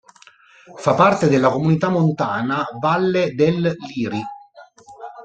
Fa parte della Comunità montana Valle del Liri.